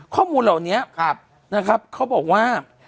ข้อมูลเหล่านี้นะครับเขาบอกว่า